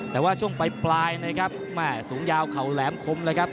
แต่ว่าช่วงปลายนะครับแม่สูงยาวเข่าแหลมคมเลยครับ